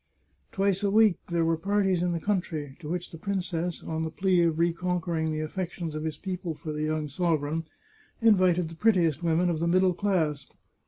Twice a week there were parties in the country, to which the princess, on the plea of reconquering the affec tions of his people for the young sovereign, invited the pret tiest women of the middle class.